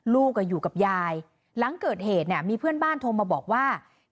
ลูกอยู่กับยายหลังเกิดเหตุเนี่ยมีเพื่อนบ้านโทรมาบอกว่า